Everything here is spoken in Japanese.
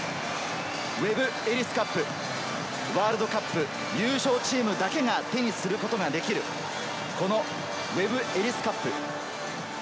ウェブ・エリス・カップ、ワールドカップ優勝チームだけが手にすることができる、このウェブ・エリス・カップ。